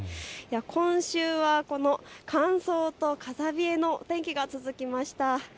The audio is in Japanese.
今週は乾燥と風、風冷えの天気が続きました。